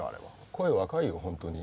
声若いよ本当に。